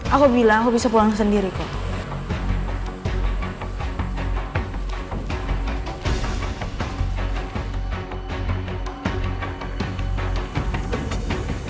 aku bilang aku bisa pulang sendiri kok